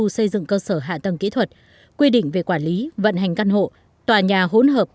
xây dựng cơ sở hạ tầng kỹ thuật quy định về quản lý vận hành căn hộ tòa nhà hỗn hợp